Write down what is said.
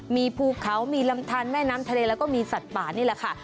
มีภูเขามีลำทานแม่น้ำทะเลแล้วก็มีสัตว์ป่านี่แหละค่ะ